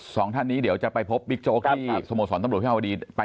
สองท่านนี้เดี๋ยวจะไปพบบิ๊กโจ๊กที่สโมสรตำรวจวิภาวดี